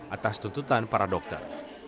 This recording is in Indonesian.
atas tuntutan para dokter